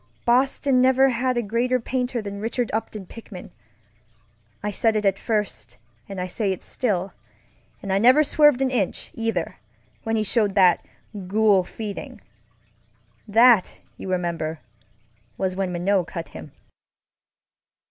Boston never had a greater painter than Richard Upton Pickman. I said it at first and I say it still, and I never swerved an inch, either, when he showed that Ghoul Feeding. That, you remember, was when Minot cut him.